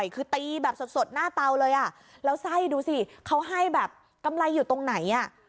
คือตีแบบสดหน้าเตาเลยอ่ะแล้วไส้ดูสิเขาให้แบบกำไรอยู่ตรงไหน